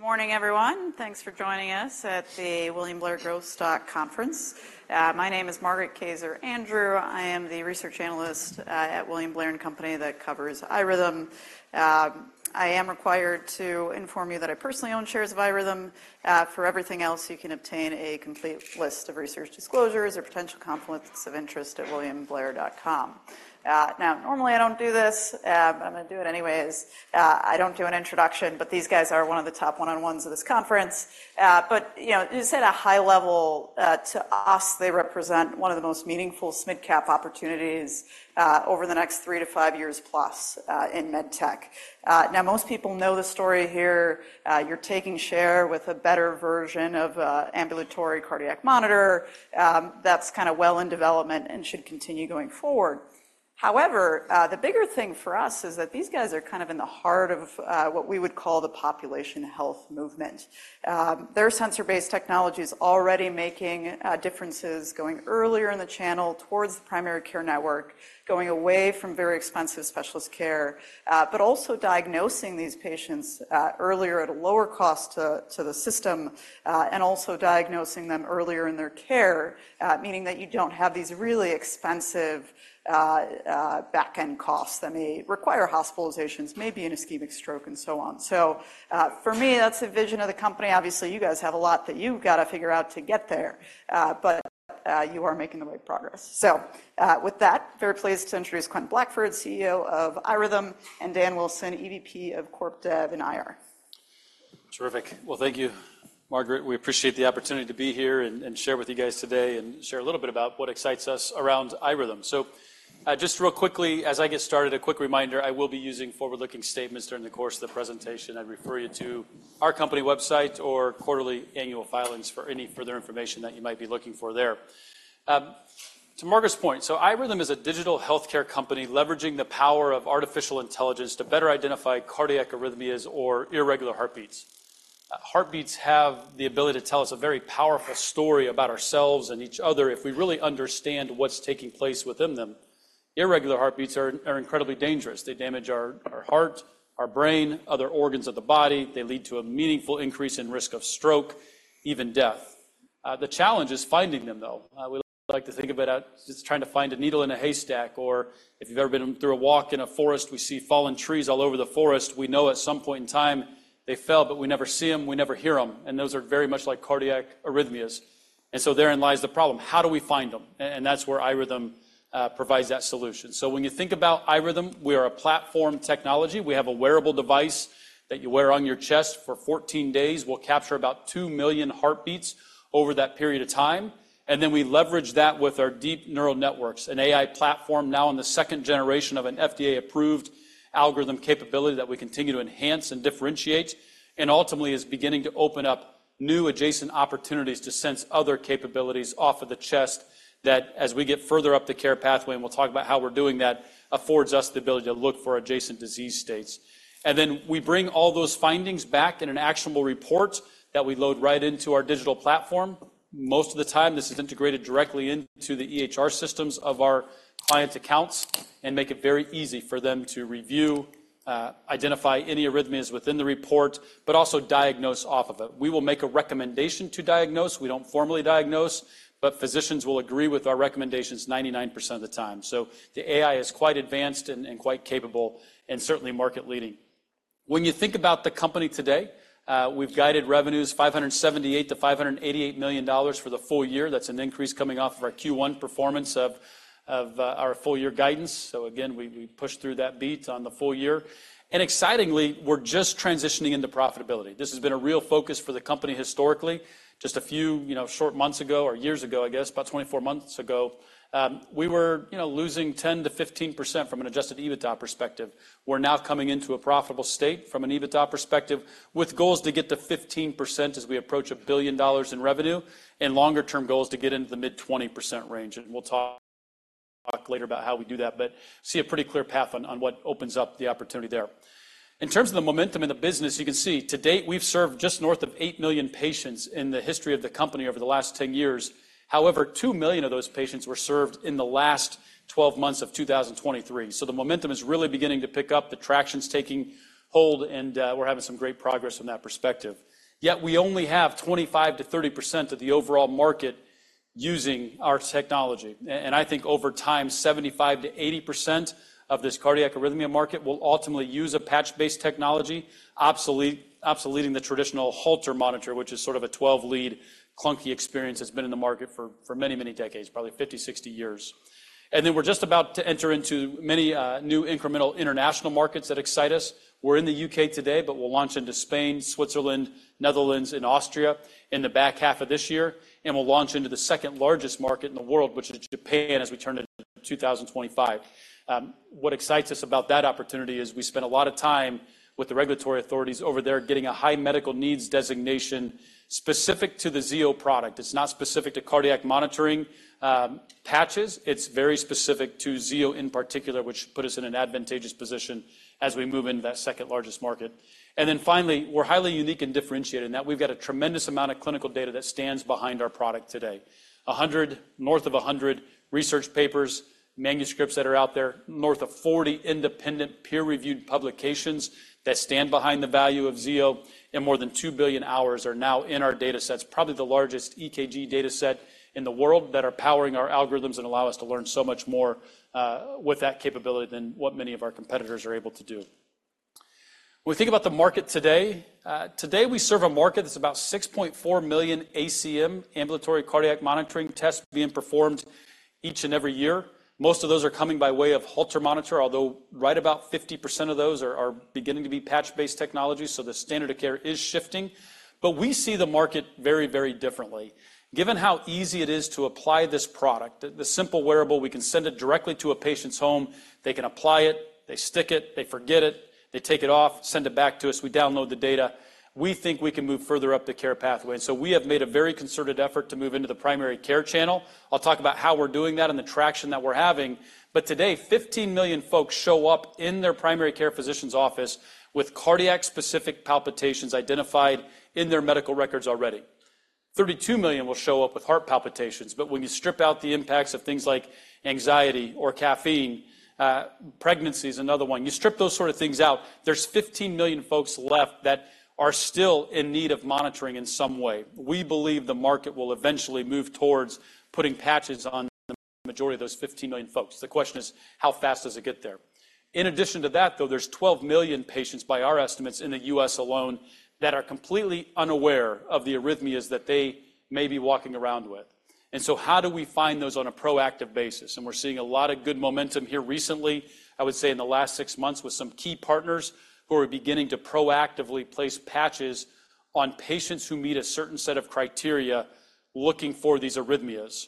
Morning, everyone. Thanks for joining us at the William Blair Growth Stock Conference. My name is Margaret Kaczor Andrew. I am the research analyst at William Blair & Company that covers iRhythm. I am required to inform you that I personally own shares of iRhythm. For everything else, you can obtain a complete list of research disclosures or potential conflicts of interest at williamblair.com. Now, normally, I don't do this, but I'm gonna do it anyways. I don't do an introduction, but these guys are one of the top one-on-ones of this conference. But, you know, just at a high level, to us, they represent one of the most meaningful mid-cap opportunities over the next three to five years plus in med tech. Now, most people know the story here. You're taking share with a better version of a ambulatory cardiac monitor, that's kind of well in development and should continue going forward. However, the bigger thing for us is that these guys are kind of in the heart of what we would call the population health movement. Their sensor-based technology is already making differences going earlier in the channel towards the primary care network, going away from very expensive specialist care, but also diagnosing these patients earlier at a lower cost to the system, and also diagnosing them earlier in their care, meaning that you don't have these really expensive back-end costs that may require hospitalizations, maybe an ischemic stroke, and so on. So, for me, that's the vision of the company. Obviously, you guys have a lot that you've got to figure out to get there, but you are making a lot of progress. So, with that, very pleased to introduce Quentin Blackford, CEO of iRhythm, and Dan Wilson, EVP of Corp Dev and IR. Terrific. Well, thank you, Margaret. We appreciate the opportunity to be here and share with you guys today and share a little bit about what excites us around iRhythm. So, just real quickly, as I get started, a quick reminder, I will be using forward-looking statements during the course of the presentation. I'd refer you to our company website or quarterly annual filings for any further information that you might be looking for there. To Margaret's point, so iRhythm is a digital healthcare company leveraging the power of artificial intelligence to better identify cardiac arrhythmias or irregular heartbeats. Heartbeats have the ability to tell us a very powerful story about ourselves and each other if we really understand what's taking place within them. Irregular heartbeats are incredibly dangerous. They damage our heart, our brain, other organs of the body. They lead to a meaningful increase in risk of stroke, even death. The challenge is finding them, though. We like to think about it as trying to find a needle in a haystack, or if you've ever been through a walk in a forest, we see fallen trees all over the forest. We know at some point in time they fell, but we never see them, we never hear them, and those are very much like cardiac arrhythmias. And so therein lies the problem: How do we find them? And that's where iRhythm provides that solution. So when you think about iRhythm, we are a platform technology. We have a wearable device that you wear on your chest for 14 days. We'll capture about 2 million heartbeats over that period of time, and then we leverage that with our deep neural networks, an AI platform now in the second generation of an FDA-approved algorithm capability that we continue to enhance and differentiate and ultimately is beginning to open up new adjacent opportunities to sense other capabilities off of the chest, that as we get further up the care pathway, and we'll talk about how we're doing that, affords us the ability to look for adjacent disease states. And then we bring all those findings back in an actionable report that we load right into our digital platform. Most of the time, this is integrated directly into the EHR systems of our client accounts and make it very easy for them to review, identify any arrhythmias within the report, but also diagnose off of it. We will make a recommendation to diagnose. We don't formally diagnose, but physicians will agree with our recommendations 99% of the time. So the AI is quite advanced and quite capable and certainly market-leading. When you think about the company today, we've guided revenues $578 million-$588 million for the full year. That's an increase coming off of our Q1 performance of our full-year guidance. So again, we pushed through that beat on the full year. And excitingly, we're just transitioning into profitability. This has been a real focus for the company historically. Just a few, you know, short months ago or years ago, I guess, about 24 months ago, we were, you know, losing 10%-15% from an adjusted EBITDA perspective. We're now coming into a profitable state from an EBITDA perspective, with goals to get to 15% as we approach $1 billion in revenue and longer-term goals to get into the mid-20% range. We'll talk later about how we do that, but see a pretty clear path on what opens up the opportunity there. In terms of the momentum in the business, you can see to date, we've served just north of 8 million patients in the history of the company over the last 10 years. However, 2 million of those patients were served in the last 12 months of 2023. So the momentum is really beginning to pick up, the traction's taking hold, and we're having some great progress from that perspective. Yet we only have 25%-30% of the overall market using our technology, and I think over time, 75%-80% of this cardiac arrhythmia market will ultimately use a patch-based technology, obsoleting the traditional Holter monitor, which is sort of a 12-lead, clunky experience that's been in the market for many, many decades, probably 50, 60 years. And then we're just about to enter into many new incremental international markets that excite us. We're in the U.K. today, but we'll launch into Spain, Switzerland, Netherlands, and Austria in the back half of this year, and we'll launch into the second-largest market in the world, which is Japan, as we turn into 2025. What excites us about that opportunity is we spent a lot of time with the regulatory authorities over there getting a High Medical Needs designation specific to the Zio product. It's not specific to cardiac monitoring, patches. It's very specific to Zio in particular, which put us in an advantageous position as we move into that second-largest market. And then finally, we're highly unique and differentiated in that we've got a tremendous amount of clinical data that stands behind our product today. 100, north of 100 research papers, manuscripts that are out there, north of 40 independent peer-reviewed publications that stand behind the value of Zio, and more than 2 billion hours are now in our datasets, probably the largest EKG dataset in the world, that are powering our algorithms and allow us to learn so much more, with that capability than what many of our competitors are able to do. When we think about the market today, today we serve a market that's about 6.4 million ACM, Ambulatory Cardiac Monitoring tests being performed each and every year. Most of those are coming by way of Holter monitor, although right about 50% of those are beginning to be patch-based technology, so the standard of care is shifting. But we see the market very, very differently. Given how easy it is to apply this product, the simple wearable, we can send it directly to a patient's home. They can apply it, they stick it, they forget it, they take it off, send it back to us, we download the data. We think we can move further up the care pathway, and so we have made a very concerted effort to move into the primary care channel. I'll talk about how we're doing that and the traction that we're having. But today, 15 million folks show up in their primary care physician's office with cardiac-specific palpitations identified in their medical records already. 32 million will show up with heart palpitations, but when you strip out the impacts of things like anxiety or caffeine, pregnancy is another one. You strip those sort of things out, there's 15 million folks left that are still in need of monitoring in some way. We believe the market will eventually move towards putting patches on the majority of those 15 million folks. The question is: how fast does it get there? In addition to that, though, there's 12 million patients, by our estimates, in the U.S. alone, that are completely unaware of the arrhythmias that they may be walking around with. And so how do we find those on a proactive basis? And we're seeing a lot of good momentum here recently, I would say in the last 6 months, with some key partners who are beginning to proactively place patches on patients who meet a certain set of criteria looking for these arrhythmias.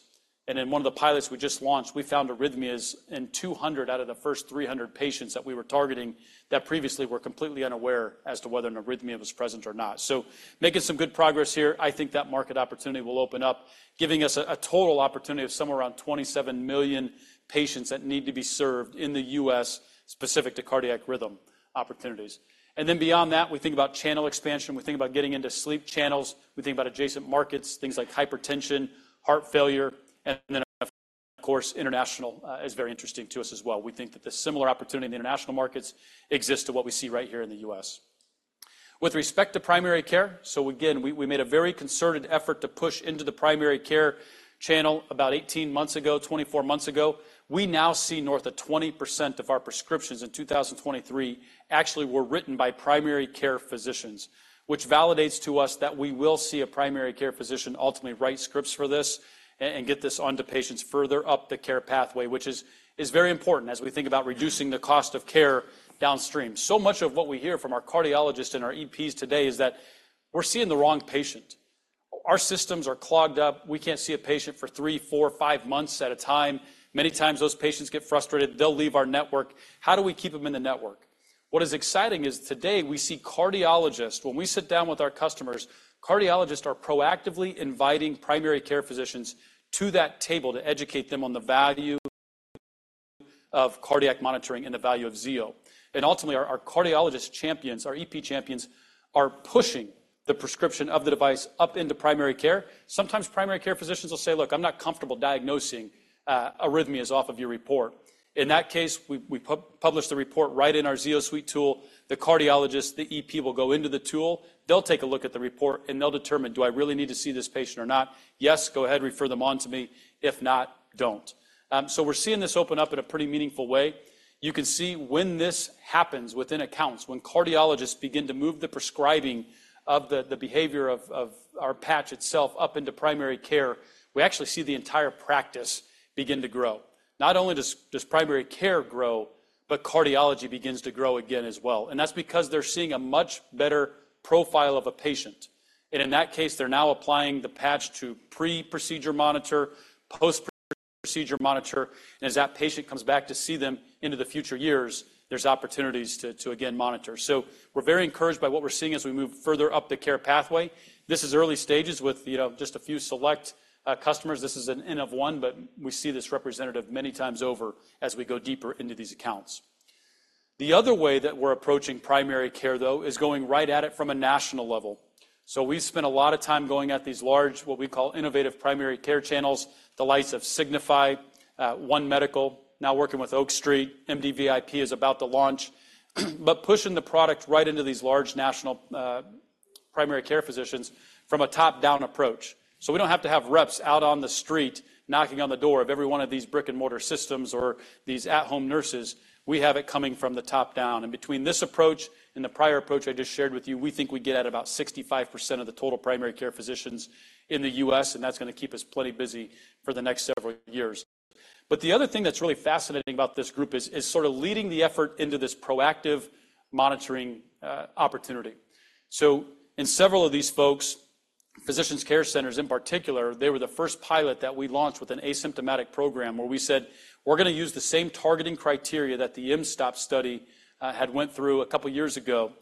In one of the pilots we just launched, we found arrhythmias in 200 out of the first 300 patients that we were targeting that previously were completely unaware as to whether an arrhythmia was present or not. So making some good progress here, I think that market opportunity will open up, giving us a total opportunity of somewhere around 27 million patients that need to be served in the US, specific to cardiac rhythm opportunities. And then beyond that, we think about channel expansion. We think about getting into sleep channels, we think about adjacent markets, things like hypertension, heart failure, and then, of course, international is very interesting to us as well. We think that the similar opportunity in the international markets exist to what we see right here in the US. With respect to primary care, so again, we made a very concerted effort to push into the primary care channel about 18 months ago, 24 months ago. We now see north of 20% of our prescriptions in 2023 actually were written by primary care physicians, which validates to us that we will see a primary care physician ultimately write scripts for this and get this onto patients further up the care pathway, which is very important as we think about reducing the cost of care downstream. So much of what we hear from our cardiologists and our EPs today is that we're seeing the wrong patient. Our systems are clogged up. We can't see a patient for 3, 4, 5 months at a time. Many times, those patients get frustrated, they'll leave our network. How do we keep them in the network? What is exciting is today, we see cardiologists. When we sit down with our customers, cardiologists are proactively inviting primary care physicians to that table to educate them on the value of cardiac monitoring and the value of Zio. And ultimately, our cardiologist champions, our EP champions, are pushing the prescription of the device up into primary care. Sometimes primary care physicians will say: "Look, I'm not comfortable diagnosing arrhythmias off of your report." In that case, we publish the report right in our Zio Suite tool. The cardiologist, the EP, will go into the tool, they'll take a look at the report, and they'll determine, do I really need to see this patient or not? Yes, go ahead and refer them on to me. If not, don't. So we're seeing this open up in a pretty meaningful way. You can see when this happens within accounts, when cardiologists begin to move the prescribing of the behavior of our patch itself up into primary care, we actually see the entire practice begin to grow. Not only does primary care grow, but cardiology begins to grow again as well, and that's because they're seeing a much better profile of a patient. And in that case, they're now applying the patch to pre-procedure monitor, post-procedure monitor, and as that patient comes back to see them into the future years, there's opportunities to again, monitor. So we're very encouraged by what we're seeing as we move further up the care pathway. This is early stages with, you know, just a few select customers. This is an N of one, but we see this representative many times over as we go deeper into these accounts. The other way that we're approaching primary care, though, is going right at it from a national level. So we spent a lot of time going at these large, what we call innovative primary care channels, the likes of Signify, One Medical, now working with Oak Street, MDVIP is about to launch, but pushing the product right into these large national, primary care physicians from a top-down approach. So we don't have to have reps out on the street knocking on the door of every one of these brick-and-mortar systems or these at-home nurses. We have it coming from the top down. And between this approach and the prior approach I just shared with you, we think we get at about 65% of the total primary care physicians in the U.S., and that's gonna keep us plenty busy for the next several years. But the other thing that's really fascinating about this group is sort of leading the effort into this proactive monitoring opportunity. So in several of these folks, Physician Care Centers in particular, they were the first pilot that we launched with an asymptomatic program where we said: "We're gonna use the same targeting criteria that the mSToPS study had went through a couple of years ago.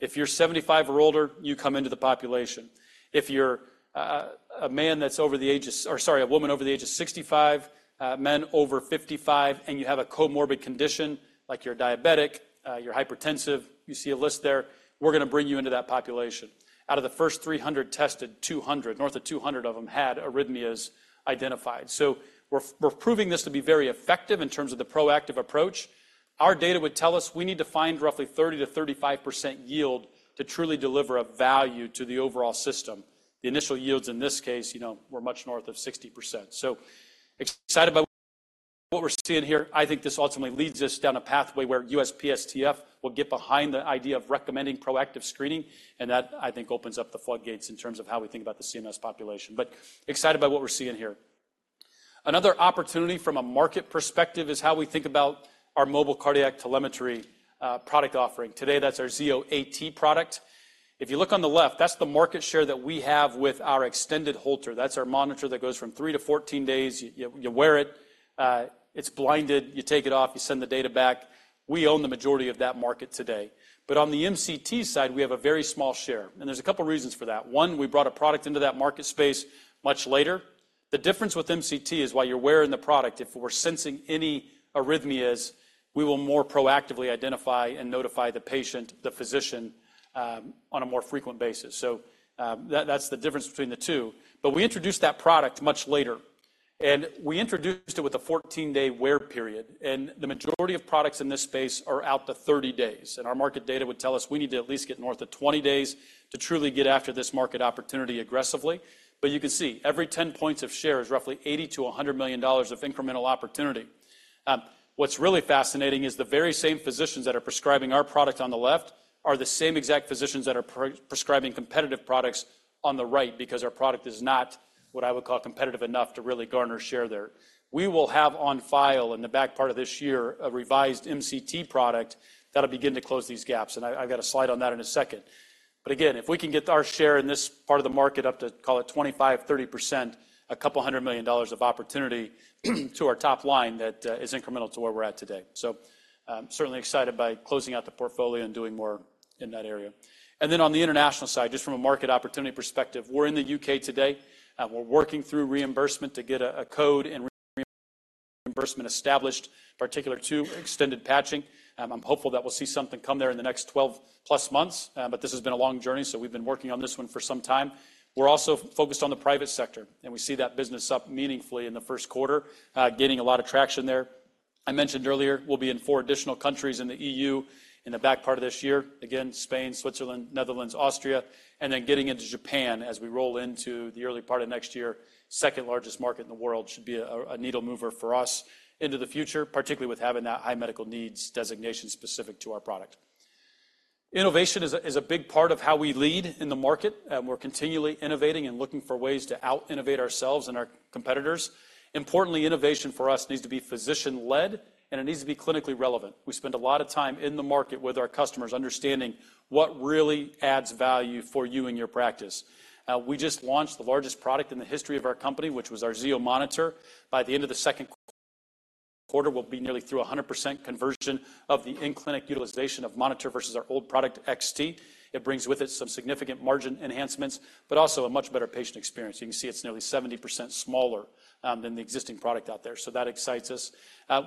If you're 75 or older, you come into the population. If you're a man that's over the age of... Or sorry, a woman over the age of 65, men over 55, and you have a comorbid condition, like you're diabetic, you're hypertensive, you see a list there, we're gonna bring you into that population." Out of the first 300 tested, 200, north of 200 of them had arrhythmias identified. So we're proving this to be very effective in terms of the proactive approach. Our data would tell us we need to find roughly 30%-35% yield to truly deliver a value to the overall system. The initial yields in this case, you know, were much north of 60%. So excited about what we're seeing here, I think this ultimately leads us down a pathway where USPSTF will get behind the idea of recommending proactive screening, and that, I think, opens up the floodgates in terms of how we think about the CMS population. But excited about what we're seeing here. Another opportunity from a market perspective is how we think about our mobile cardiac telemetry product offering. Today, that's our Zio AT product. If you look on the left, that's the market share that we have with our extended Holter. That's our monitor that goes from 3 to 14 days. You, you wear it, it's blinded, you take it off, you send the data back. We own the majority of that market today. But on the MCT side, we have a very small share, and there's a couple of reasons for that. One, we brought a product into that market space much later. The difference with MCT is while you're wearing the product, if we're sensing any arrhythmias, we will more proactively identify and notify the patient, the physician, on a more frequent basis. So, that's the difference between the two. But we introduced that product much later, and we introduced it with a 14-day wear period, and the majority of products in this space are out to 30 days. Our market data would tell us we need to at least get north of 20 days to truly get after this market opportunity aggressively. But you can see every 10 points of share is roughly $80 million-$100 million of incremental opportunity. What's really fascinating is the very same physicians that are prescribing our product on the left are the same exact physicians that are prescribing competitive products on the right because our product is not what I would call competitive enough to really garner share there. We will have on file in the back part of this year a revised MCT product that'll begin to close these gaps, and I, I've got a slide on that in a second. But again, if we can get our share in this part of the market up to, call it 25%-30%, $200 million of opportunity to our top line, that is incremental to where we're at today. So, I'm certainly excited by closing out the portfolio and doing more in that area. And then on the international side, just from a market opportunity perspective, we're in the U.K. today, and we're working through reimbursement to get a code and reimbursement established, particular to extended patching. I'm hopeful that we'll see something come there in the next 12+ months, but this has been a long journey, so we've been working on this one for some time. We're also focused on the private sector, and we see that business up meaningfully in the first quarter, gaining a lot of traction there. I mentioned earlier, we'll be in four additional countries in the EU in the back part of this year. Again, Spain, Switzerland, Netherlands, Austria, and then getting into Japan as we roll into the early part of next year. Second-largest market in the world should be a needle mover for us into the future, particularly with having that high medical needs designation specific to our product. Innovation is a big part of how we lead in the market, and we're continually innovating and looking for ways to out-innovate ourselves and our competitors. Importantly, innovation for us needs to be physician-led, and it needs to be clinically relevant. We spend a lot of time in the market with our customers, understanding what really adds value for you and your practice. We just launched the largest product in the history of our company, which was our Zio Monitor. By the end of the second quarter, we'll be nearly through 100% conversion of the in-clinic utilization of monitor versus our old product, XT. It brings with it some significant margin enhancements, but also a much better patient experience. You can see it's nearly 70% smaller than the existing product out there, so that excites us.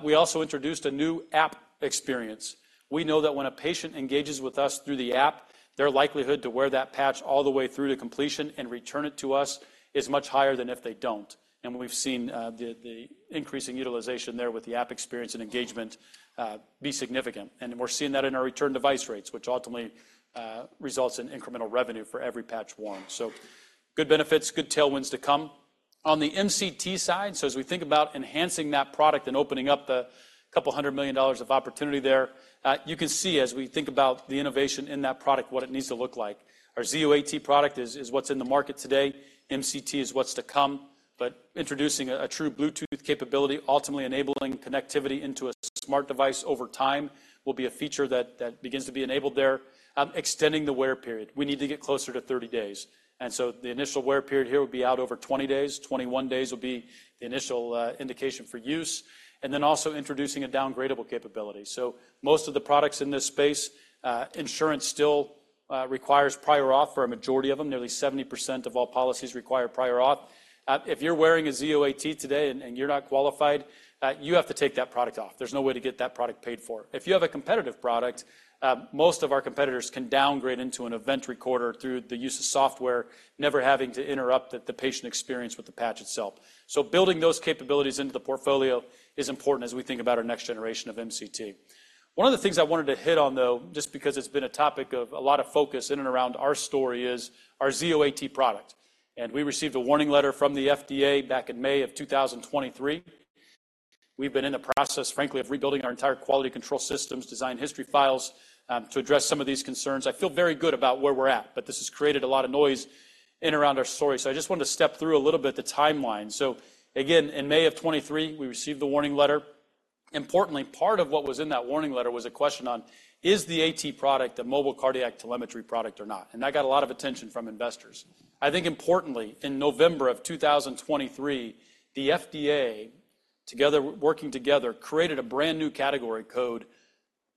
We also introduced a new app experience. We know that when a patient engages with us through the app, their likelihood to wear that patch all the way through to completion and return it to us is much higher than if they don't. And we've seen the increasing utilization there with the app experience and engagement be significant. And we're seeing that in our return device rates, which ultimately results in incremental revenue for every patch worn. So good benefits, good tailwinds to come. On the MCT side, so as we think about enhancing that product and opening up $200 million of opportunity there, you can see, as we think about the innovation in that product, what it needs to look like. Our Zio AT product is what's in the market today. MCT is what's to come, but introducing a true Bluetooth capability, ultimately enabling connectivity into a smart device over time, will be a feature that begins to be enabled there. Extending the wear period. We need to get closer to 30 days, and so the initial wear period here will be out over 20 days. 21 days will be the initial indication for use, and then also introducing a downloadable capability. So most of the products in this space, insurance still requires prior auth for a majority of them. Nearly 70% of all policies require prior auth. If you're wearing a Zio AT today and you're not qualified, you have to take that product off. There's no way to get that product paid for. If you have a competitive product, most of our competitors can downgrade into an event recorder through the use of software, never having to interrupt the patient experience with the patch itself. So building those capabilities into the portfolio is important as we think about our next generation of MCT. One of the things I wanted to hit on, though, just because it's been a topic of a lot of focus in and around our story, is our Zio AT product. And we received a warning letter from the FDA back in May of 2023. We've been in the process, frankly, of rebuilding our entire quality control systems, design history files, to address some of these concerns. I feel very good about where we're at, but this has created a lot of noise in and around our story. So I just wanted to step through a little bit the timeline. So again, in May 2023, we received the warning letter. Importantly, part of what was in that warning letter was a question on, is the AT product a mobile cardiac telemetry product or not? And that got a lot of attention from investors. I think importantly, in November 2023, the FDA, together working together, created a brand-new category code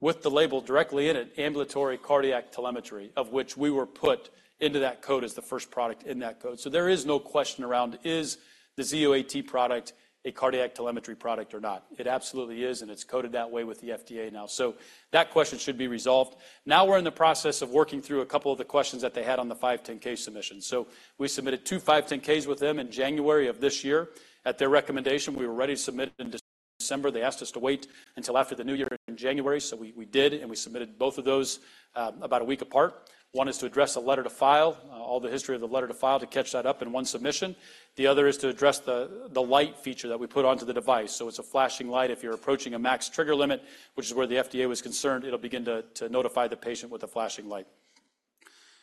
with the label directly in it, ambulatory cardiac telemetry, of which we were put into that code as the first product in that code. So there is no question around, is the Zio AT product a cardiac telemetry product or not? It absolutely is, and it's coded that way with the FDA now. So that question should be resolved. Now, we're in the process of working through a couple of the questions that they had on the 510(k) submission. So we submitted two 510(k)s with them in January of this year. At their recommendation, we were ready to submit in December. They asked us to wait until after the new year in January, so we did, and we submitted both of those about a week apart. One is to address a letter to file, all the history of the letter to file, to catch that up in one submission. The other is to address the light feature that we put onto the device. So it's a flashing light if you're approaching a max trigger limit, which is where the FDA was concerned. It'll begin to, to notify the patient with a flashing light.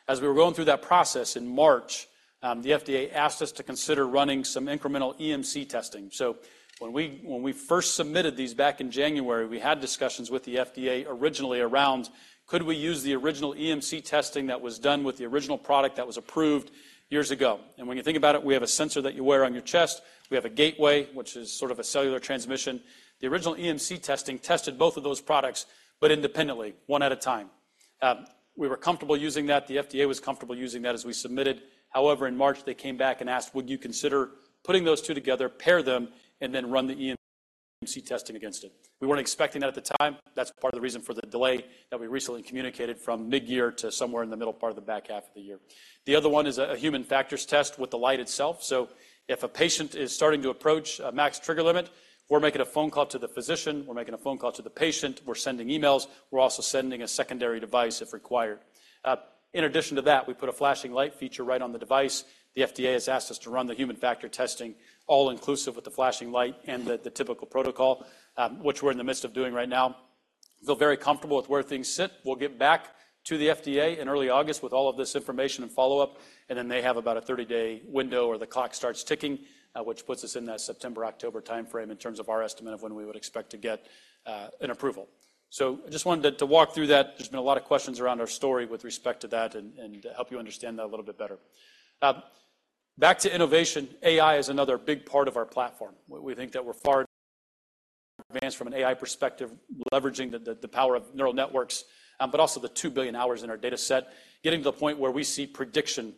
As we were going through that process in March, the FDA asked us to consider running some incremental EMC testing. So when we, when we first submitted these back in January, we had discussions with the FDA originally around, could we use the original EMC testing that was done with the original product that was approved years ago? And when you think about it, we have a sensor that you wear on your chest. We have a gateway, which is sort of a cellular transmission. The original EMC testing tested both of those products, but independently, one at a time. We were comfortable using that. The FDA was comfortable using that as we submitted. However, in March, they came back and asked: "Would you consider putting those two together, pair them, and then run the EMI/EMC testing against it?" We weren't expecting that at the time. That's part of the reason for the delay that we recently communicated from midyear to somewhere in the middle part of the back half of the year. The other one is a human factors test with the light itself. So if a patient is starting to approach a max trigger limit, we're making a phone call to the physician, we're making a phone call to the patient, we're sending emails, we're also sending a secondary device if required. In addition to that, we put a flashing light feature right on the device. The FDA has asked us to run the human factor testing, all inclusive with the flashing light and the typical protocol, which we're in the midst of doing right now. Feel very comfortable with where things sit. We'll get back to the FDA in early August with all of this information and follow-up, and then they have about a 30-day window, where the clock starts ticking, which puts us in that September-October timeframe in terms of our estimate of when we would expect to get an approval. So just wanted to walk through that. There's been a lot of questions around our story with respect to that and to help you understand that a little bit better. Back to innovation, AI is another big part of our platform. We think that we're far advanced from an AI perspective, leveraging the power of neural networks, but also the 2 billion hours in our data set, getting to the point where we see prediction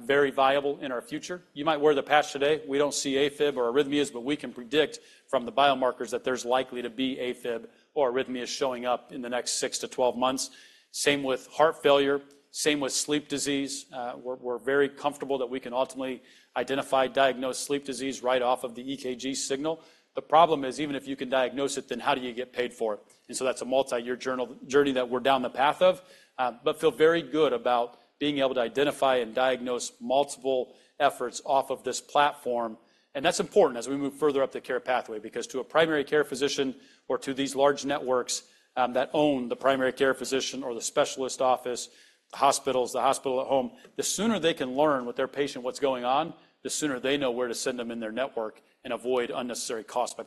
very viable in our future. You might wear the patch today. We don't see AFib or arrhythmias, but we can predict from the biomarkers that there's likely to be AFib or arrhythmias showing up in the next 6-12 months. Same with heart failure, same with sleep disease. We're very comfortable that we can ultimately identify, diagnose sleep disease right off of the EKG signal. The problem is, even if you can diagnose it, then how do you get paid for it? So that's a multi-year journey that we're down the path of, but feel very good about being able to identify and diagnose multiple efforts off of this platform. That's important as we move further up the care pathway, because to a primary care physician or to these large networks that own the primary care physician or the specialist office, the hospitals, the hospital at home, the sooner they can learn with their patient what's going on, the sooner they know where to send them in their network and avoid unnecessary costs by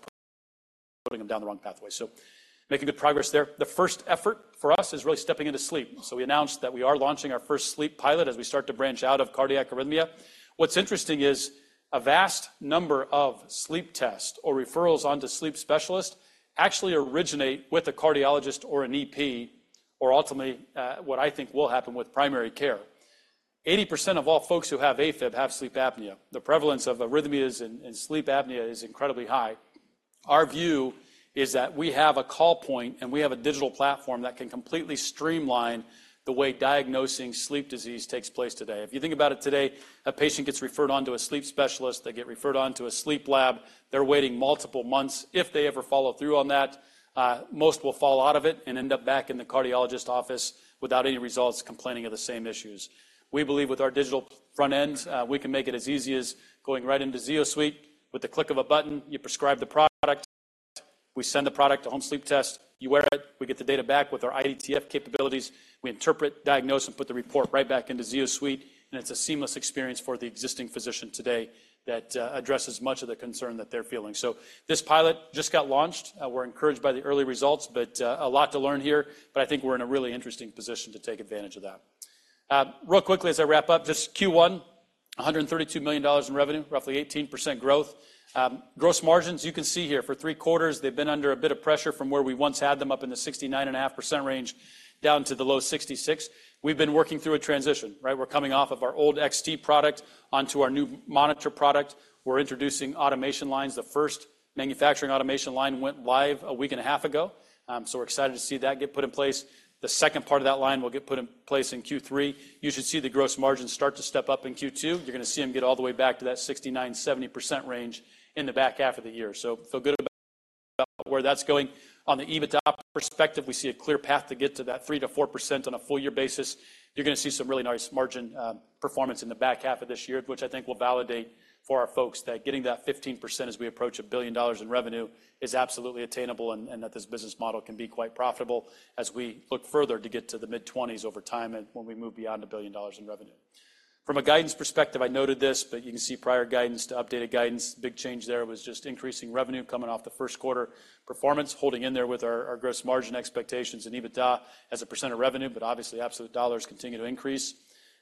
putting them down the wrong pathway. Making good progress there. The first effort for us is really stepping into sleep. We announced that we are launching our first sleep pilot as we start to branch out of cardiac arrhythmia. What's interesting is, a vast number of sleep tests or referrals onto sleep specialists actually originate with a cardiologist or an EP, or ultimately, what I think will happen with primary care. 80% of all folks who have AFib have sleep apnea. The prevalence of arrhythmias and sleep apnea is incredibly high. Our view is that we have a call point, and we have a digital platform that can completely streamline the way diagnosing sleep disease takes place today. If you think about it today, a patient gets referred on to a sleep specialist, they get referred on to a sleep lab. They're waiting multiple months, if they ever follow through on that. Most will fall out of it and end up back in the cardiologist office without any results, complaining of the same issues. We believe with our digital front end, we can make it as easy as going right into Zio Suite. With the click of a button, you prescribe the product. We send the product to home sleep test. You wear it, we get the data back with our IDTF capabilities. We interpret, diagnose, and put the report right back into Zio Suite, and it's a seamless experience for the existing physician today that addresses much of the concern that they're feeling. So this pilot just got launched. We're encouraged by the early results, but a lot to learn here, but I think we're in a really interesting position to take advantage of that. Real quickly as I wrap up, just Q1, $132 million in revenue, roughly 18% growth. Gross margins, you can see here for three quarters, they've been under a bit of pressure from where we once had them up in the 69.5% range down to the low 66%. We've been working through a transition, right? We're coming off of our old XT product onto our new monitor product. We're introducing automation lines. The first manufacturing automation line went live a week and a half ago, so we're excited to see that get put in place. The second part of that line will get put in place in Q3. You should see the gross margins start to step up in Q2. You're gonna see them get all the way back to that 69%-70% range in the back half of the year. So, feel good about, about where that's going. On the EBITDA perspective, we see a clear path to get to that 3%-4% on a full year basis. You're gonna see some really nice margin, performance in the back half of this year, which I think will validate for our folks that getting that 15% as we approach $1 billion in revenue is absolutely attainable, and, and that this business model can be quite profitable as we look further to get to the mid-20s% over time and when we move beyond $1 billion in revenue. From a guidance perspective, I noted this, but you can see prior guidance to updated guidance. Big change there was just increasing revenue coming off the first quarter, performance holding in there with our, our gross margin expectations and EBITDA as a percent of revenue, but obviously, absolute dollars continue to increase.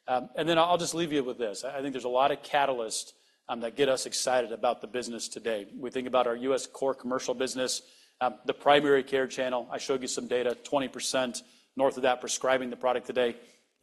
And then I'll just leave you with this. I think there's a lot of catalysts that get us excited about the business today. We think about our U.S. core commercial business, the primary care channel. I showed you some data, 20% north of that, prescribing the product today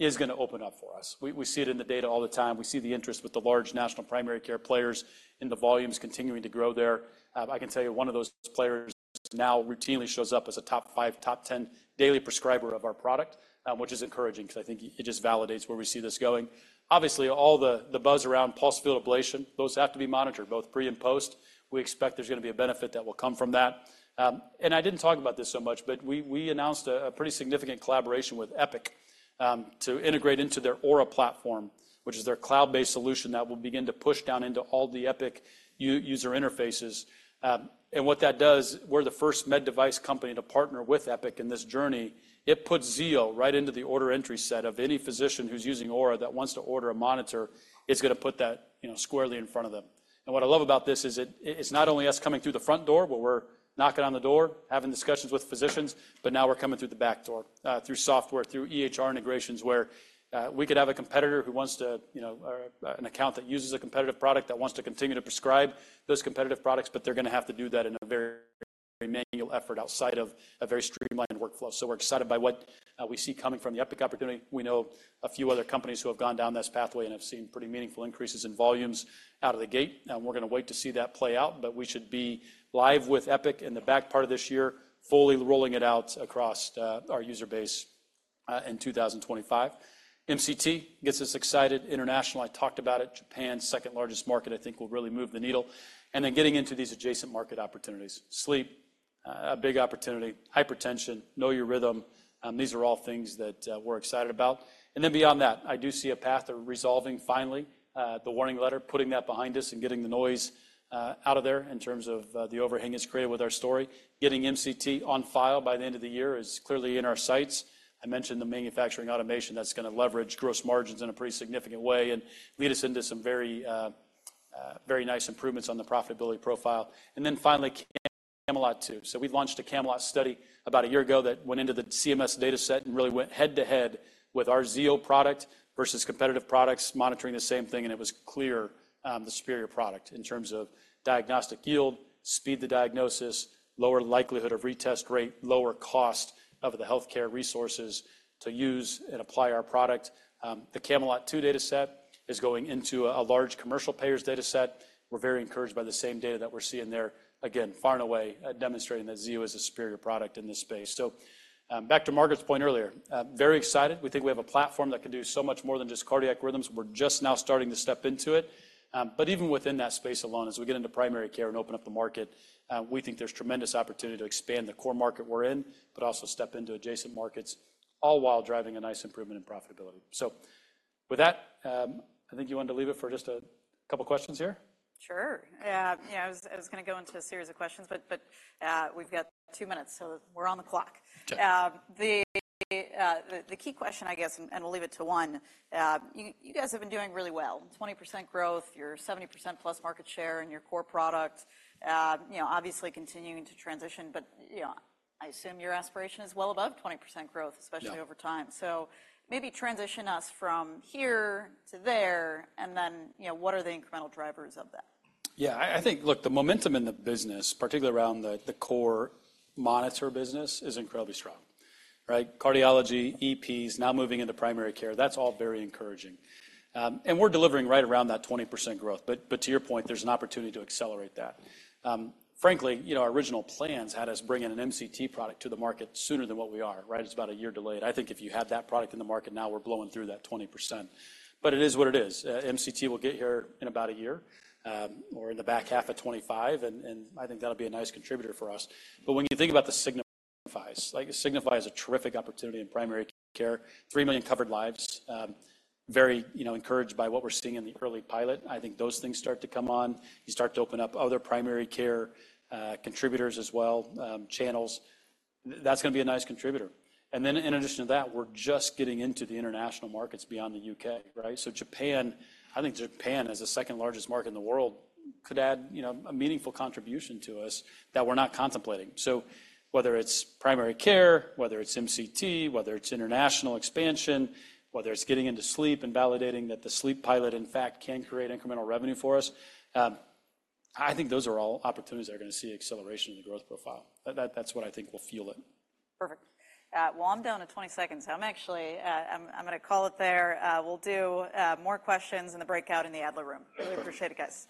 is gonna open up for us. We see it in the data all the time. We see the interest with the large national primary care players in the volumes continuing to grow there. I can tell you one of those players now routinely shows up as a top five, top ten daily prescriber of our product, which is encouraging because I think it just validates where we see this going. Obviously, all the buzz around pulsed field ablation, those have to be monitored both pre and post. We expect there's going to be a benefit that will come from that. And I didn't talk about this so much, but we announced a pretty significant collaboration with Epic to integrate into their Aura platform, which is their cloud-based solution that will begin to push down into all the Epic user interfaces. And what that does, we're the first med device company to partner with Epic in this journey. It puts Zio right into the order entry set of any physician who's using Aura that wants to order a monitor. It's going to put that, you know, squarely in front of them. What I love about this is, it's not only us coming through the front door, where we're knocking on the door, having discussions with physicians, but now we're coming through the back door, through software, through EHR integrations, where we could have a competitor who wants to, you know-- or an account that uses a competitive product that wants to continue to prescribe those competitive products, but they're going to have to do that in a very manual effort outside of a very streamlined workflow. So we're excited by what we see coming from the Epic opportunity. We know a few other companies who have gone down this pathway and have seen pretty meaningful increases in volumes out of the gate, and we're going to wait to see that play out. But we should be live with Epic in the back part of this year, fully rolling it out across our user base in 2025. MCT gets us excited. International, I talked about it. Japan's second-largest market, I think, will really move the needle. And then getting into these adjacent market opportunities. Sleep, a big opportunity. Hypertension, Know Your Rhythm. These are all things that we're excited about. And then beyond that, I do see a path to resolving finally the warning letter, putting that behind us and getting the noise out of there in terms of the overhang it's created with our story. Getting MCT on file by the end of the year is clearly in our sights. I mentioned the manufacturing automation that's going to leverage gross margins in a pretty significant way and lead us into some very, very nice improvements on the profitability profile. Then finally, CAMELOT II. We launched a CAMELOT study about a year ago that went into the CMS data set and really went head-to-head with our Zio product versus competitive products monitoring the same thing, and it was clear, the superior product in terms of diagnostic yield, speed the diagnosis, lower likelihood of retest rate, lower cost of the healthcare resources to use and apply our product. The CAMELOT II data set is going into a large commercial payers data set. We're very encouraged by the same data that we're seeing there. Again, far and away, demonstrating that Zio is a superior product in this space. So, back to Margaret's point earlier, very excited. We're just now starting to step into it. But even within that space alone, as we get into primary care and open up the market, we think there's tremendous opportunity to expand the core market we're in, but also step into adjacent markets, all while driving a nice improvement in profitability. So with that, I think you wanted to leave it for just a couple of questions here? Sure. Yeah, I was going to go into a series of questions, but we've got two minutes, so we're on the clock. Sure. The key question, I guess, and we'll leave it to one. You guys have been doing really well, 20% growth, your 70%+ market share in your core product, you know, obviously continuing to transition, but, you know, I assume your aspiration is well above 20% growth- Yeah... especially over time. So maybe transition us from here to there, and then, you know, what are the incremental drivers of that? Yeah, I think, look, the momentum in the business, particularly around the core monitor business, is incredibly strong, right? Cardiology, EPs, now moving into primary care, that's all very encouraging. And we're delivering right around that 20% growth. But to your point, there's an opportunity to accelerate that. Frankly, you know, our original plans had us bringing an MCT product to the market sooner than what we are, right? It's about a year delayed. I think if you had that product in the market now, we're blowing through that 20%. But it is what it is. MCT will get here in about a year, or in the back half of 2025, and I think that'll be a nice contributor for us. But when you think about the Signifys, like, Signify is a terrific opportunity in primary care. 3 million covered lives, very, you know, encouraged by what we're seeing in the early pilot. I think those things start to come on. You start to open up other primary care, contributors as well, channels. That's going to be a nice contributor. And then in addition to that, we're just getting into the international markets beyond the U.K., right? So Japan, I think Japan, as the second-largest market in the world, could add, you know, a meaningful contribution to us that we're not contemplating. So whether it's primary care, whether it's MCT, whether it's international expansion, whether it's getting into sleep and validating that the sleep pilot, in fact, can create incremental revenue for us, I think those are all opportunities that are going to see acceleration in the growth profile. That, that's what I think will fuel it. Perfect. Well, I'm down to 20 seconds, so I'm actually going to call it there. We'll do more questions in the breakout in the Adler Room. Perfect. Really appreciate it, guys.